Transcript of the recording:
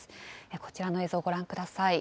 こちらの映像ご覧ください。